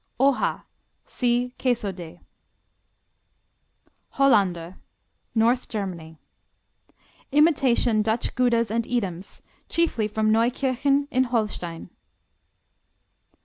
Hoja see Queso de. Hollander North Germany Imitation Dutch Goudas and Edams, chiefly from Neukirchen in Holstein.